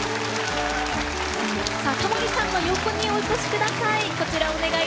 タモリさんの横にお越しください。